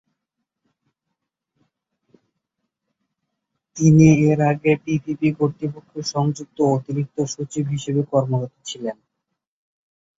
তিনি এর আগে পিপিপি কর্তৃপক্ষের সংযুক্ত অতিরিক্ত সচিব হিসেবে কর্মরত ছিলেন।